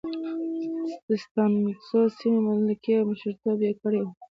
د ستانکزو سیمې ملکي او مشرتوب یې کړی دی.